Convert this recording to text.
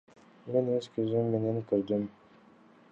Мен өз көзүм менен көрдүм.